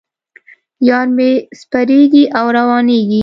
یار مې سپریږي او روانېږي.